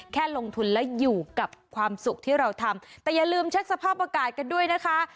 แค่ลงทุนแล้วอยู่กับความสุขที่เราทำแต่อย่าลืมเช็คสภาพอากาศกันด้วยนะคะ